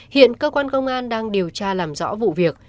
hiện cơ quan công an đang điều tra làm rõ vụ việc